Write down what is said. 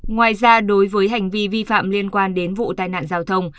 ngoài ra đối với hành vi vi phạm liên quan đến vụ tai nạn giao thông